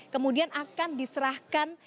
kemudian akan diserahkan